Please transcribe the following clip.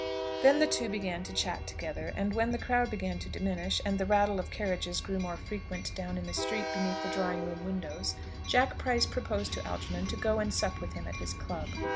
Then the two began to chat together. And when the crowd began to diminish, and the rattle of carriages grew more frequent down in the street beneath the drawing room windows, Jack Price proposed to Algernon to go and sup with him at his club.